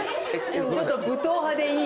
ちょっと武闘派でいい。